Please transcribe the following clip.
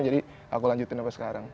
aku lanjutin apa sekarang